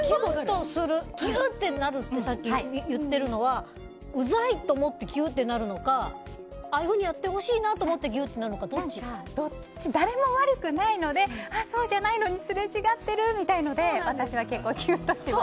キューってなるってさっき言ってたのはうざいと思ってキューってなるのかああいうふうにやってほしいなと思って誰も悪くないのでそうじゃないのにすれ違ってるみたいなので私は結構キューってします。